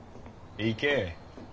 行け。